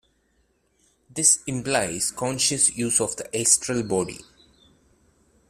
This implies conscious use of the astral body.